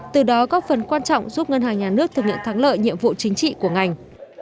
từ đó góp phần quan trọng giúp ngân hàng nhà nước thực hiện thắng lợi nhiệm vụ chính trị của ngành